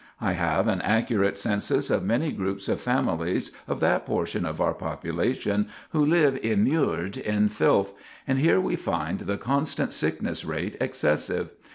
I have an accurate census of many groups of families of that portion of our population who live immured in filth, and here we find the constant sickness rate excessive.